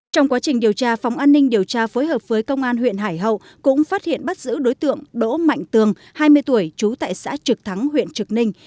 trong quá trình điều tra phòng an ninh điều tra phối hợp với công an huyện hải hậu cũng phát hiện bắt giữ đối tượng đỗ mạnh tường hai mươi tuổi trú tại xã trực thắng huyện trực ninh